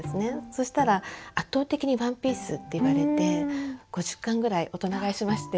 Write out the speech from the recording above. そしたら圧倒的に「ＯＮＥＰＩＥＣＥ」って言われて５０巻ぐらい大人買いしまして。